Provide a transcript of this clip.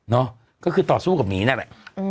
ก็คือต่อสู้กับหมีนั่นแหละ